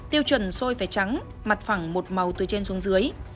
tiêu chuẩn sôi phải trắng mặt phẳng một màu từ trên xuống dưới